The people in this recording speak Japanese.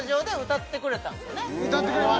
歌ってくれました